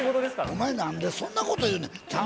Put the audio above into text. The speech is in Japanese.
お前何でそんなこと言うねん。